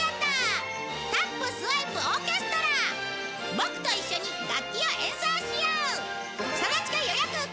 ボクと一緒に楽器を演奏しよう！